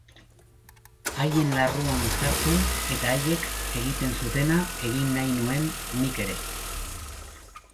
Haien larruan sartu eta haiek egiten zutena egin nahi nuen nik ere.